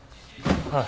ああ。